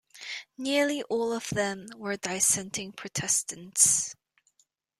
Nearly all of them were Dissenting Protestants.